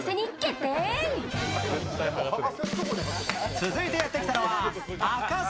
続いてやってきたのは赤坂。